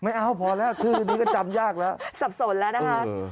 พอแล้วชื่อนี้ก็จำยากแล้วสับสนแล้วนะคะ